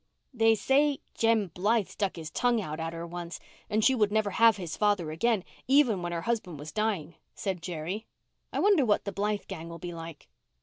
"They say Jem Blythe stuck out his tongue at her once and she would never have his father again, even when her husband was dying," said Jerry. "I wonder what the Blythe gang will be like."